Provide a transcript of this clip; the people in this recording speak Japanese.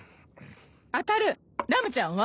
あたるラムちゃんは？